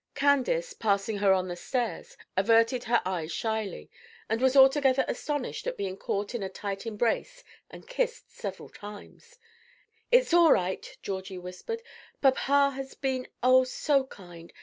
Candace, passing her on the stairs, averted her eyes shyly, and was altogether astonished at being caught in a tight embrace and kissed several times. "It's all right," Georgie whispered. "Papa has been, oh, so kind!